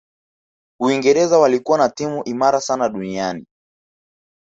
uingereza walikuwa na timu imara sana duniani